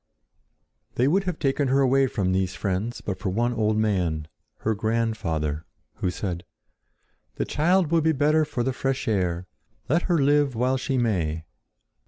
They would have taken her away from these friends but for one old man, her grandfather, who said: "The child will be better for the fresh air. Let her live while she may."